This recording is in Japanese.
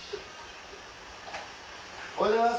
おはようございます！